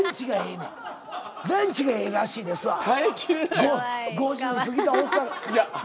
「ランチがええらしいです」。